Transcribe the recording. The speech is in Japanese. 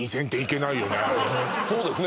そうですね